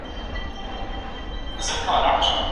د غچ مستي به ډیره ژر تیره سي.